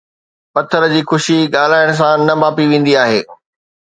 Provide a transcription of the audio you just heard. پٿر جي خوشي ڳالھائڻ سان نه ماپي ويندي آهي